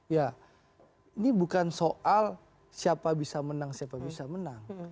ya ini bukan soal siapa bisa menang siapa bisa menang